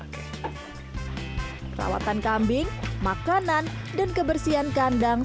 perawatan kambing makanan dan kebersihan kandang